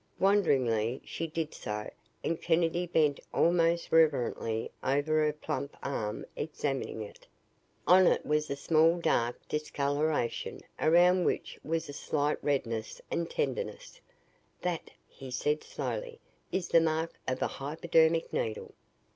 Wonderingly she did so and Kennedy bent almost reverently over her plump arm examining it. On it was a small dark discoloration, around which was a slight redness and tenderness. "That," he said slowly, "is the mark of a hypodermic needle."